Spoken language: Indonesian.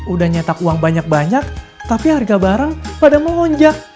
udah nyetak uang banyak banyak tapi harga barang pada melonjak